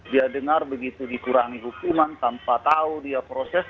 dia dengar begitu dikurangi hukuman tanpa tahu dia proses